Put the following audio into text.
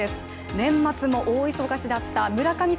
年末も大忙しだった村神様